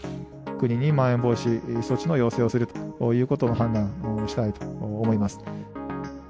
国にまん延防止措置の要請をするということを判断したいと思います。